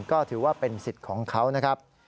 ก็ถือว่าเป็นสิทธิ์ของเขานะครับ